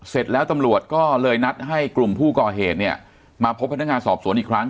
เสร็จแล้วตำรวจก็เลยนัดให้กลุ่มผู้ก่อเหตุเนี่ยมาพบพนักงานสอบสวนอีกครั้ง